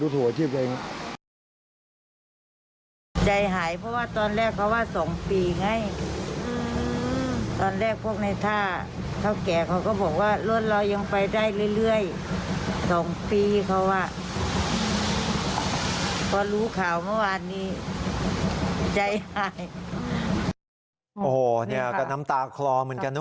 โอ้โหเนี่ยก็น้ำตาคลอเหมือนกันนะ